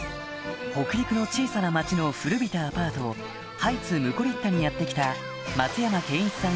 北陸の小さな町の古びたアパートハイツムコリッタにやって来た松山ケンイチさん